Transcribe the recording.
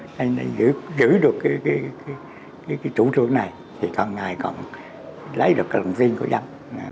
cái chủ trương này thì con ngài còn lấy được cái lòng riêng của dân